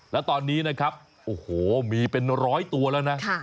แล้วตอนนี้นะครับโอ้โหมีเป็นร้อยตัวแล้วนะ